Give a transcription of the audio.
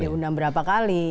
diundang berapa kali